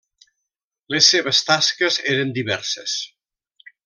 Les seves tasques eren diverses.